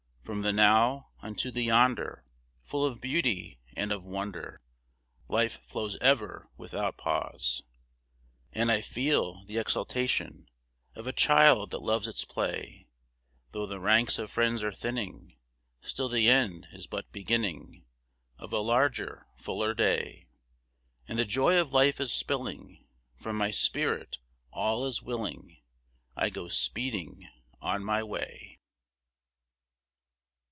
From the now, unto the Yonder, Full of beauty and of wonder, Life flows ever without pause. And I feel the exaltation Of a child that loves its play, Though the ranks of friends are thinning, Still the end is but beginning Of a larger, fuller day, And the joy of life is spilling From my spirit, as all willing I go speeding on my way.